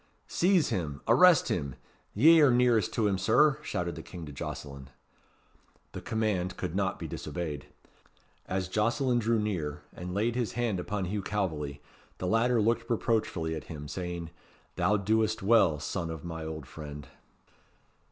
"Seize him! arrest him! ye are nearest to him, Sir," shouted the king to Jocelyn. The command could not be disobeyed. As Jocelyn drew near, and laid his hand upon Hugh Calveley, the latter looked reproachfully at him, saying, "Thou doest well, son of my old friend."